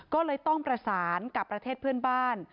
ก็เลยต้องประสานกับประเทศเพื่อนบ้าน